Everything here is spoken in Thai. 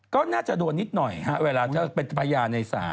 ก็น่าจะโดนนิดหน่อยฮะเวลาเธอเป็นพยานในศาล